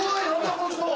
この人！